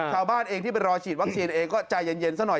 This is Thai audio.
ชาวบ้านเองที่ไปรอฉีดวัคซีนเองก็ใจเย็นซะหน่อย